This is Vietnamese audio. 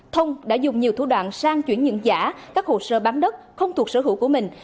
thông đã dùng nhiều thủ đoạn sang chuyển nhận giả các hồ sơ bán đất không thuộc sở hữu của mình